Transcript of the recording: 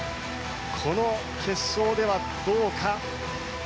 この決勝ではどうか。